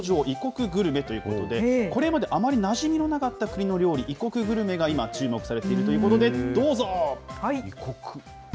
異国グルメということで、これまであまりなじみのなかった国の料理、異国グルメが今、注目されているということで、どうぞ。